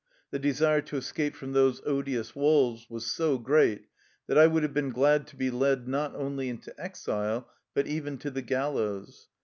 The desire to escape from those odious walls was so great that I would have been glad to be led not only into exile, but even to the gallows.